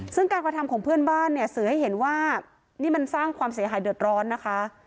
ซึ่งการกระทำของเพื่อนบ้านเนี่ยสื่อให้เห็นว่านี่มันสร้างความเสียหายเดือดร้อนนะคะ